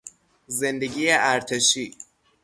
زندگی ارتشی